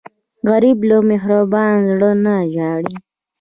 غریب له مهربان زړه نه ژاړي